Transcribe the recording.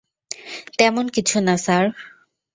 তেমন কিছু না, স্যার।